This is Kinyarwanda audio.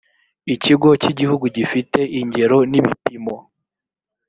ikigo cy igihugu gifite ingero n ibipimo